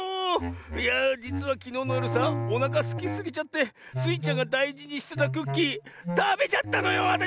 いやあじつはきのうのよるさおなかすきすぎちゃってスイちゃんがだいじにしてたクッキーたべちゃったのよわたし！